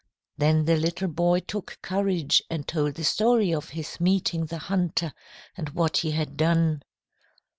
"Then the little boy took courage and told the story of his meeting the hunter and what he had done.